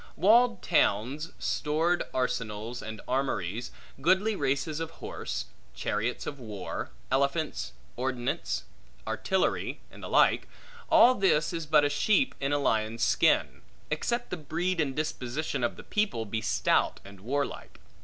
Walled towns, stored arsenals and armories, goodly races of horse, chariots of war, elephants, ordnance, artillery, and the like; all this is but a sheep in a lion's skin, except the breed and disposition of the people, be stout and warlike.